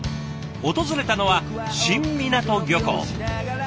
訪れたのは新湊漁港。